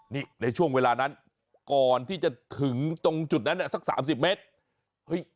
นี่ในช่วงเวลานั้นก่อนที่จะถึงตรงจุดนั้นสัก๓๐เมตร